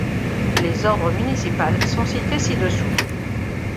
Les ordres municipales sont cités ci-dessous.